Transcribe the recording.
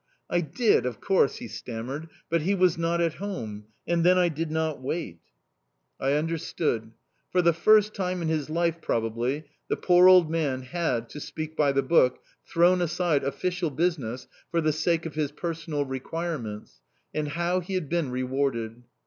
"I did, of course," he stammered, "but he was not at home... and I did not wait." I understood. For the first time in his life, probably, the poor old man had, to speak by the book, thrown aside official business 'for the sake of his personal requirements'... and how he had been rewarded!